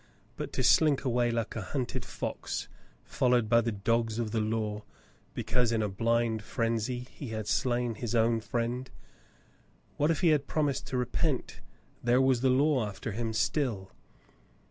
But to slink away like a hunted fox followed by the dogs of the law because, in a blind frenzy, he had slain his own friend ! What if he had promised to repent; there was the law after him still